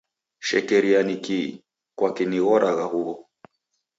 Shekeria ni kii? Kwaki nighoragha huw'o?